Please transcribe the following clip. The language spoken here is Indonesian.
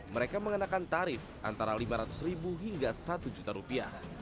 mereka mengenakan tarif antara lima ratus ribu hingga satu juta rupiah